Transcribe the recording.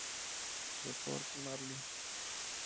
Le Port-Marly